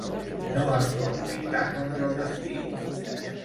No es pot lluitar contra el destí.